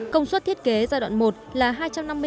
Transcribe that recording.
công suất thiết kế giai đoạn một là hai trăm năm mươi xe một năm